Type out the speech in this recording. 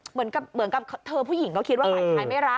เหมือนกับเธอผู้หญิงก็คิดว่าฝ่ายชายไม่รัก